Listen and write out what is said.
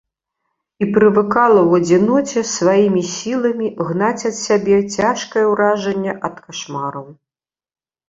І прывыкала ў адзіноце сваімі сіламі гнаць ад сябе цяжкае ўражанне ад кашмараў.